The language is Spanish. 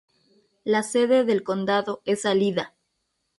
La sede del condado es Salida.